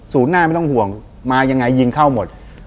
หน้าไม่ต้องห่วงมายังไงยิงเข้าหมด